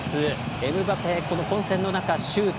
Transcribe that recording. エムバペ、混戦の中シュート。